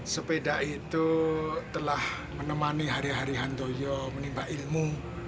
sepeda itu telah menemani hari hari handoyo menimba ilmu